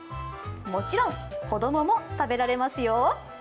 もちろん、子供も食べられますよ。